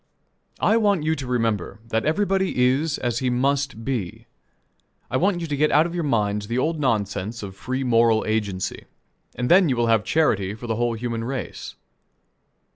I want you to remember that everybody is as he must be. I want you to get out of your minds the old nonsense of "free moral agency;" and then you will have charity for the whole human race.